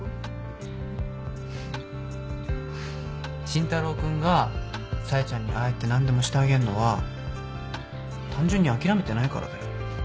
慎太郎君が冴ちゃんにああやって何でもしてあげんのは単純に諦めてないからだよ。